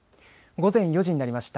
午前４時になりました。